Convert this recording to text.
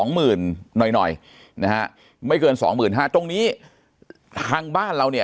หมื่นหน่อยหน่อยนะฮะไม่เกินสองหมื่นห้าตรงนี้ทางบ้านเราเนี่ย